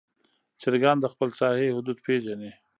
چرګان د خپل ساحې حدود پېژني.